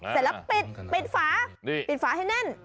เสร็จแล้วปิดปิดฝาปิดฝาให้แน่น